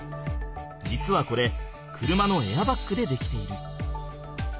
実はこれ車のエアバッグで出来ている。